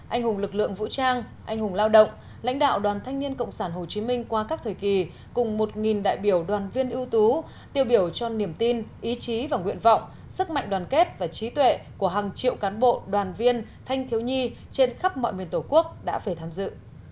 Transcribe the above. anh hùng lực lượng vũ trang anh hùng lao động lãnh đạo đoàn thanh niên cộng sản hồ chí minh qua các thời kỳ cùng một đại biểu đoàn viên ưu tú tiêu biểu cho niềm tin ý chí và nguyện vọng sức mạnh đoàn kết và trí tuệ của hàng triệu cán bộ đoàn viên thanh thiếu nhi trên khắp mọi miền tổ quốc đã về tham dự